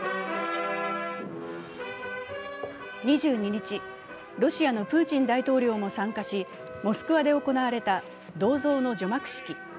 ２２日、ロシアのプーチン大統領も参加し、モスクワで行われた銅像の除幕式。